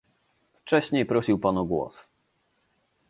Wcześniej prosił Pan o głos